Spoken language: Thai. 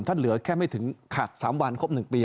เหลือแค่ไม่ถึงขาด๓วันครบ๑ปี